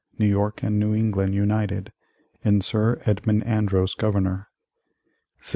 New York and New England united, and Sir Edmund Andros Governor 1689.